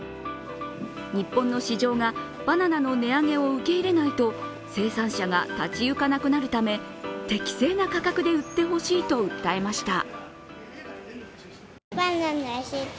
日本の市場がバナナの値上げを受け入れないと生産者がたちゆかなくなるため、適正な価格で売ってほしいと訴えました。